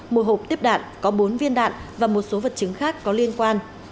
một hộp tiếp đạn có bốn viên đạn và một số vật chứng khác có liên quan